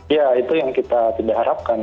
ya itu yang kita tidak harapkan